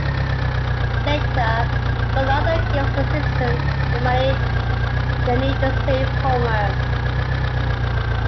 Later, Ronaldo gives the Simpsons the money they need to save Homer.